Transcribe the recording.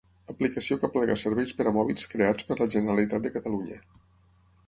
Aplicació que aplega serveis per a mòbils creats per la Generalitat de Catalunya.